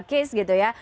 case gitu ya